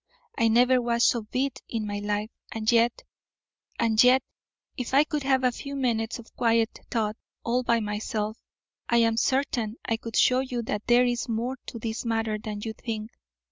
I never was so beat in my life, and yet and yet if I could have a few minutes of quiet thought all by myself I am certain I could show you that there is more to this matter than you think.